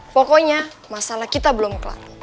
pokoknya masalah kita belum kelak